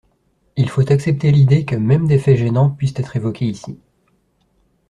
Il faut accepter l’idée que même des faits gênants puissent être évoqués ici.